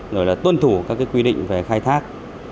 rồi là tuân thủ các quy định về khai thác